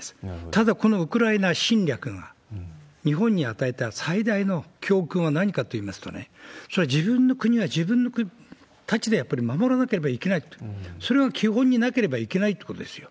ただ、このウクライナ侵略が日本に与えた最大の教訓は何かといいますとね、それは、自分の国は自分たちで守らなければいけないと、それが基本になければいけないってことですよ。